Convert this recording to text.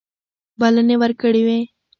بلنې ورکړي وې.